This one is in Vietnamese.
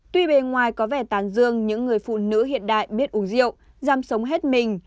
tuy bề ngoài có vẻ tàn dương những người phụ nữ hiện đại biết uống rượu giam sống hết mình